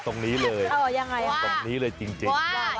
ฟังทับความอย่างนั้นออกอย่างไร